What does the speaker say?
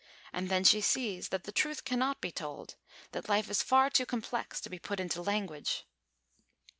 And then she sees that the truth cannot be told; that life is far too complex to be put into language.